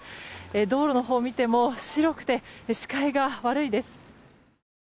道路のほうを見ても白くて視界が悪いです。